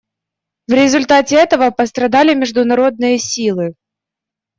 В результате этого пострадали международные силы.